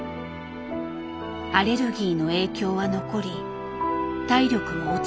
アレルギーの影響は残り体力も落ちた。